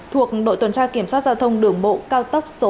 thuộc đội tuần tra kiểm soát giao thông đường bộ cao tốc số năm